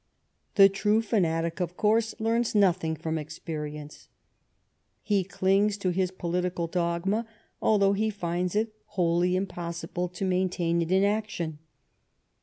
The true fanatic, of course, learns nothing from experience. He clings to his politi cal dogma although he finds it wholly impossible to maintain it in action.